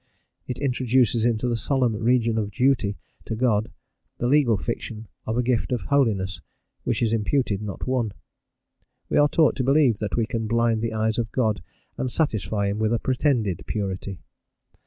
It introduces into the solemn region of duty to God the legal fiction of a gift of holiness, which is imputed, not won. We are taught to believe that we can blind the eyes of God and satisfy him with a pretended purity.